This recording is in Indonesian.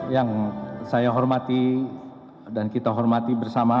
yang saya hormati dan kita hormati bersama